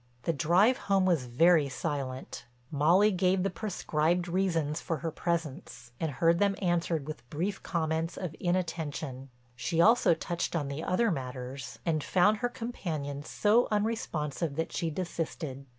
The drive home was very silent. Molly gave the prescribed reasons for her presence and heard them answered with the brief comments of inattention. She also touched on the other matters and found her companion so unresponsive that she desisted.